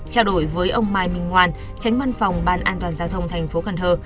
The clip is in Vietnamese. trao đổi với ông mai minh ngoan tránh văn phòng ban an toàn giao thông thành phố cần thơ